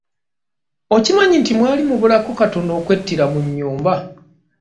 Okimanyi nti mwaali mubulako katono okwettira mu nyumba.